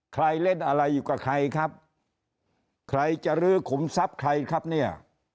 ใครเล่นอะไรอยู่กับใครครับใครจะลื้อขุมทรัพย์ใครครับเนี่ย